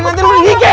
nanti lu dihikit